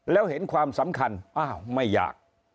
แล้วเห็นความสำคัญอ้าวไม่อยาก